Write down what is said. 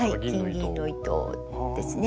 金銀の糸ですね。